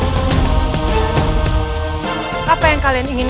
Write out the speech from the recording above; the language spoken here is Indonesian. kau tidak bisa mencari kursi ini